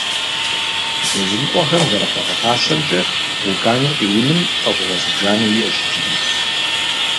Языныкъуэхэм зэрыхуагъэфащэмкӏэ, вулканыр къиуным лӏэщӏыгъуэ зыбжанэ иӏэщ иджыри.